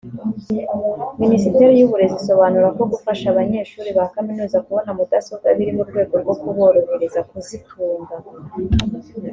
Minisiteri y’Uburezi isobanura ko gufasha abanyeshuri ba Kaminuza kubona mudasobwa biri mu rwego rwo kuborohereza kuzitunga